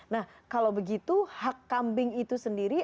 nah kalau begitu hak kambing itu sendiri